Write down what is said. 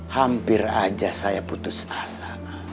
hampir aja saya putus asa